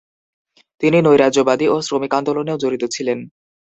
তিনি নৈরাজ্যবাদী ও শ্রমিক আন্দোলনেও জড়িত ছিলেন।